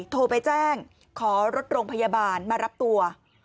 โทรไปแจ้งขอรถโรงพยาบาลมารับตัว